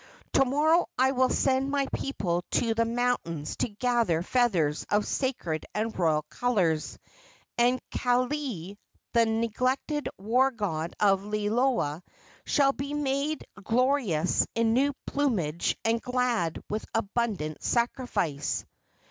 "To morrow I will send my people to the mountains to gather feathers of sacred and royal colors, and Kaili, the neglected war god of Liloa, shall be made glorious in new plumage and glad with abundant sacrifice."